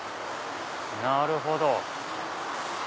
なるほど！